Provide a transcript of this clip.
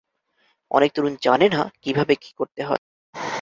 অনেক তরুণ জানে না কীভাবে কী করতে হয়।